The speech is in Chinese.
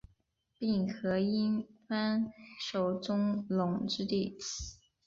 并河因幡守宗隆之弟。